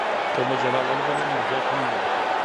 که مجله ولولو نو ذوق نه مري.